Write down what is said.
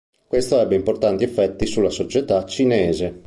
Questo ebbe importanti effetti sulla società cinese.